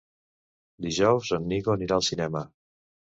Dijous en Nico anirà al cinema.